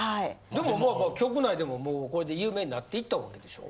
でもまあまあ局内でももうこうやって有名になっていったわけでしょ？